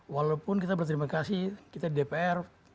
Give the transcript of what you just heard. walaupun kita berterima kasih kita di dpr